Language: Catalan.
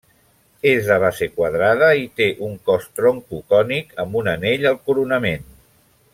És de base quadrada i té un cos troncocònic, amb un anell al coronament.